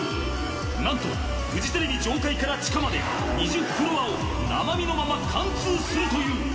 何とフジテレビ上階から地下まで２０フロアを生身のまま貫通するという。